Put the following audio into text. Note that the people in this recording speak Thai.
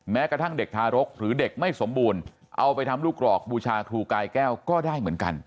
แม้กระทั่งเด็กทารกหรือเด็กไม่สมบูรณ์เอาไปทำลูกกรอกบูชาครูกายแก้วก็ได้เหมือนกัน